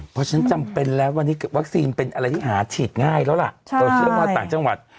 เพราะฉะนั้นจำเป็นแล้ววันนี้วัคซีนเป็นอะไรที่หาฉีดง่ายแล้วล่ะเราเชื่อว่าต่างจังหวัด